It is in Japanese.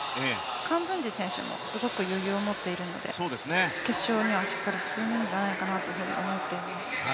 カンブンジ選手もすごく余裕を持っているので、決勝にはしっかり進むんじゃないかなと思っています。